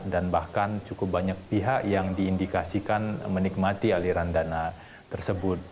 dan bahkan cukup banyak pihak yang diindikasikan menikmati aliran dana tersebut